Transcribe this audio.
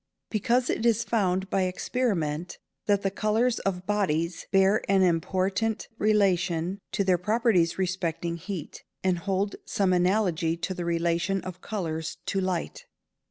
_ Because it is found by experiment that the colours of bodies bear an important relation to their properties respecting heat, and hold some analogy to the relation of colours to light.